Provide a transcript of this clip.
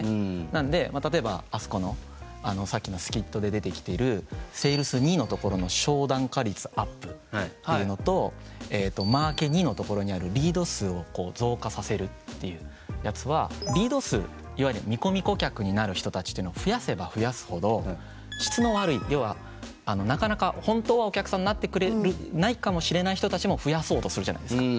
なんで例えばあそこのさっきのスキットで出てきてるセールスⅡのところの商談化率アップっていうのとえっとマーケⅡのところにあるリード数を増加させるっていうやつはリード数いわゆる見込み顧客になる人たちっていうのを増やせば増やすほど質の悪い要はなかなか本当はお客さんになってくれないかもしれない人たちも増やそうとするじゃないですか。